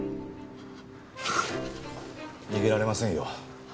逃げられませんよ。